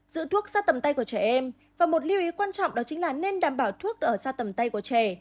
giữ thuốc sát tầm tay của trẻ em và một lưu ý quan trọng đó chính là nên đảm bảo thuốc ở xa tầm tay của trẻ